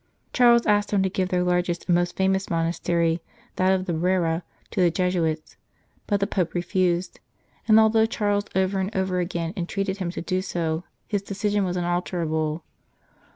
Charles asked him to give their largest and most famous monastery, that of the Brera, to the Jesuits, but the Pope refused ; and although Charles over and over again entreated him to do so, his decision was unalterable.